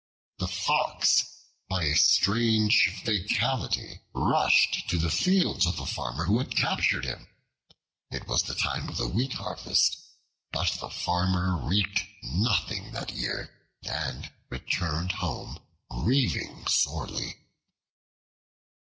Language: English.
The Fox by a strange fatality rushed to the fields of the Farmer who had captured him. It was the time of the wheat harvest; but the Farmer reaped nothing that year and returned home grieving sorely.